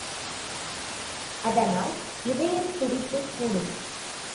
அதனால் இதயத்துடிப்பு கூடும்!